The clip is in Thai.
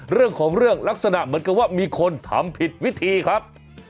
เรื่องของเรื่องลักษณะเหมือนกับว่ามีคนทำผิดวิธีครับ